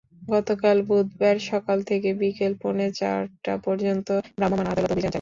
গতকাল বুধবার সকাল থেকে বিকেল পৌনে চারটা পর্যন্ত ভ্রাম্যমাণ আদালত অভিযান চালান।